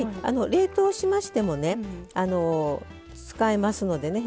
冷凍しましても使えますのでね。